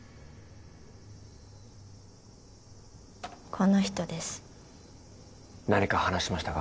この人です何か話しましたか？